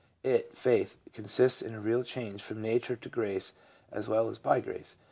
363 It [faith] consists in a real change from nature to grace as well as by grace.